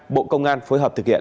bộ công an phối hợp thực hiện